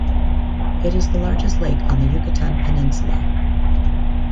It is the largest lake on the Yucatan Peninsula.